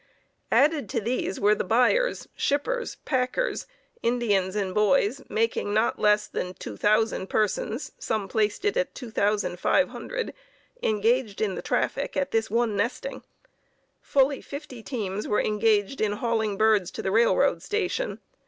Added to these were the buyers, shippers, packers, Indians and boys, making not less than 2,000 persons (some placed it at 2,500) engaged in the traffic at this one nesting. Fully fifty teams were engaged in hauling birds to the railroad station.